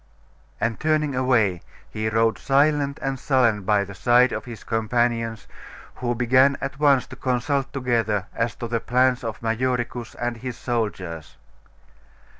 And turning away, he rode silent and sullen by the side of his companions, who began at once to consult together as to the plans of Majoricus and his soldiers.